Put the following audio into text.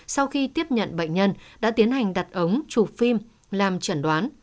sau khi tiếp nhận bệnh nhân đã tiến hành đặt ống chụp phim làm chẩn đoán